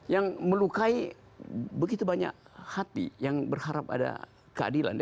yang melukai begitu banyak hati yang berharap ada keadilan